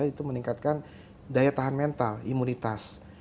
itu meningkatkan daya tahan mental imunitas